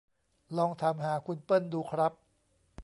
ลองถามหาคุณเปิ้ลดูครับ